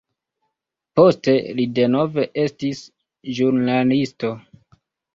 Poste li denove estis ĵurnalisto.